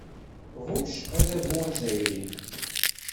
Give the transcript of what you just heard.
Ɣucc adabu azzayri.